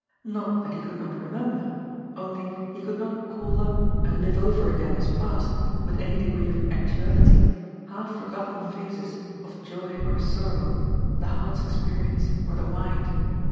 Not that he could not remember, only he could npt call up and live over again as past, with any degree of actuality, half forgotten phases of joy or sorrow, the heart's experience, or the mind's.